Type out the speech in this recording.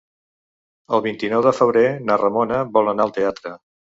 El vint-i-nou de febrer na Ramona vol anar al teatre.